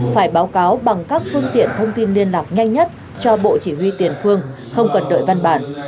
phải báo cáo bằng các phương tiện thông tin liên lạc nhanh nhất cho bộ chỉ huy tiền phương không cần đợi văn bản